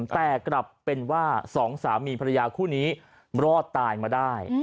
แต่กลับเป็นว่าสองสามีภรรยาคู่นี้รอดตายมาได้